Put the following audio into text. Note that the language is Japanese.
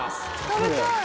食べたい。